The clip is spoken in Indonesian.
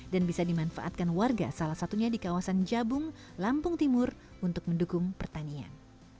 dan bisa dimanfaatkan warga salah satunya di kawasan jabung lampung timur untuk mendukung pertanian